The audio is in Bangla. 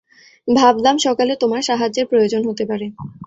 ভাবলাম সকালে তোমার সাহায্যের প্রয়োজন হতে পারে।